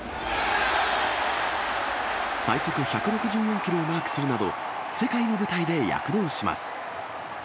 最速１６４キロをマークするなど、世界の舞台で躍動します。